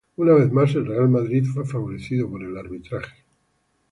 Una vez más el Real Madrid fue favorecido por el arbitraje